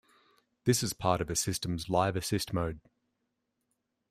This is part of a system's live-assist mode.